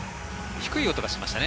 低い音がしましたね。